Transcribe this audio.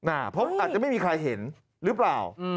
เพราะอาจจะไม่มีใครเห็นหรือเปล่า